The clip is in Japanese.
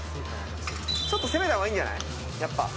ちょっと攻めたほうがいいんじゃない？